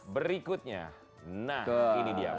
berikutnya nah ini dia